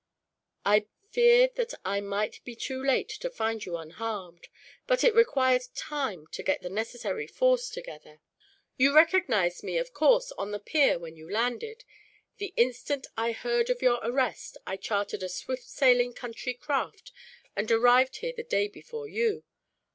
I feared that I might be too late to find you unharmed; but it required time to get the necessary force together. "You recognized me, of course, on the pier when you landed. The instant I heard of your arrest, I chartered a swift sailing country craft, and arrived here the day before you.